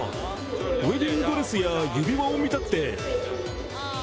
ウエディングドレスや指輪を見たくて。